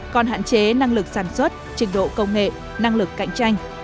còn hạn chế năng lực sản xuất trình độ công nghệ năng lực cạnh tranh